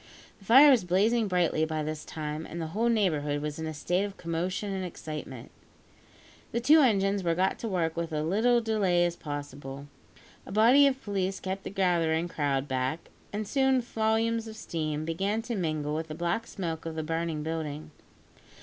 The fire was blazing brightly by this time, and the whole neighbourhood was in a state of commotion and excitement. The two engines were got to work with as little delay as possible. A body of police kept the gathering crowd back, and soon volumes of steam began to mingle with the black smoke of the burning building.